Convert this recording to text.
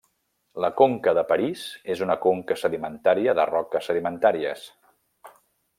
La conca de París és una conca sedimentària de roques sedimentàries.